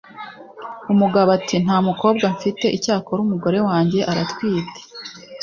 Umugabo ati:"Nta mukobwa mfite, icyakora umugore wange aratwite